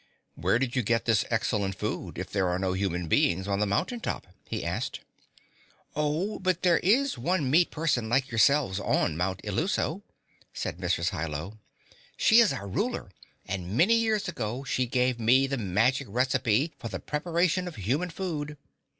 "Where did you get this excellent food, if there are no human beings on the mountain top?" he asked. "Oh, but there is one meat person like yourselves on Mount Illuso," said Mrs. Hi Lo. "She is our ruler, and many years ago she gave me the magic recipe for the preparation of human food.